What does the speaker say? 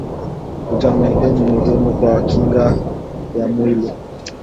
vitamin A ni muhimu kwakinga ya mwili